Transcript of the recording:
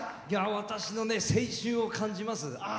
私も青春を感じます。